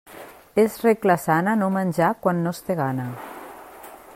És regla sana no menjar quan no es té gana.